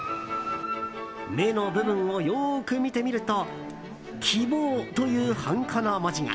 目の部分をよく見てみると希望というハンコの文字が。